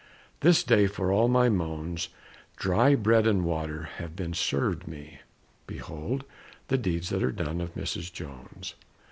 This day for all my moans, Dry bread and water have been servèd me. Behold the deeds that are done of Mrs. Jones!